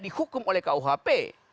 dihukum oleh kuhp